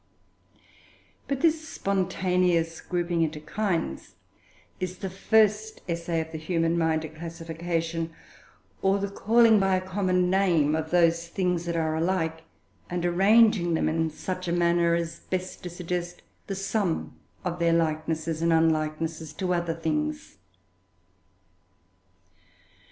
But this spontaneous grouping into "kinds" is the first essay of the human mind at classification, or the calling by a common name of those things that are alike, and the arranging them in such a manner as best to suggest the sum of their likenesses and unlikenesses to other things.